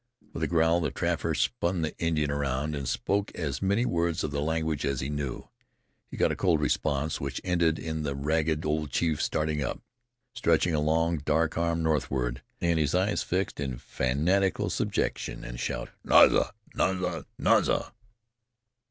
With a growl, the trapper spun the Indian round, and spoke as many words of the language as he knew. He got a cold response, which ended in the ragged old chief starting up, stretching a long, dark arm northward, and with eyes fixed in fanatical subjection, shouting: "Naza! Naza! Naza!"